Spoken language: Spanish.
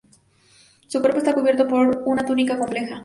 Su cuerpo está cubierto por una túnica compleja.